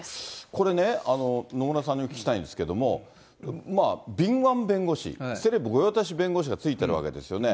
これね、野村さんにお聞きしたいんですけれども、敏腕弁護士、セレブ御用達弁護士がついているわけですよね。